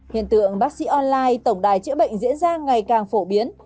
hiện tượng bác sĩ online tổng đài chữa bệnh diễn ra ngày càng phổ biến